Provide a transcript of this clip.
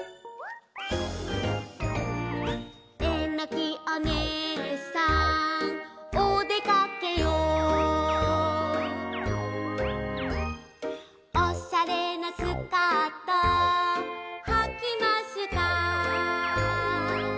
「えのきお姉さんおでかけよ」「おしゃれなスカートはきました」